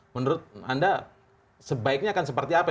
menurut anda sebaiknya akan seperti apa